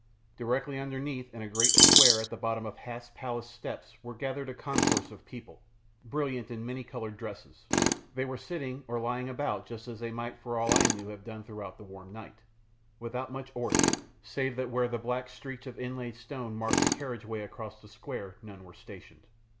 Directly underneath in the great square at the bottom of Hath's palace steps were gathered a concourse of people, brilliant in many coloured dresses. They were sitting or lying about just as they might for all I knew have done through the warm night, without much order, save that where the black streaks of inlaid stone marked a carriageway across the square none were stationed.